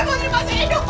pondek masih hidup